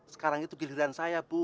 sekarang itu giliran saya bu